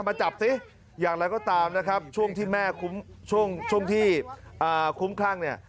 มาจับสิอย่างไรก็ตามนะครับช่วงที่แม่คุ้มช่วงช่วงที่คุ้มคลั่งเนี่ย